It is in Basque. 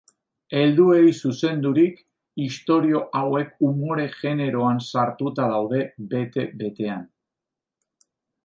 Helduei zuzendurik, istorio hauek umore generoan sartuta daude bete-betean.